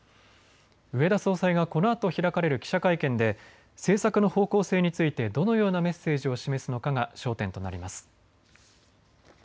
植田総裁がこのあと開かれる記者会見で政策の方向性についてどのようなメッセージを示すのかが焦点となります。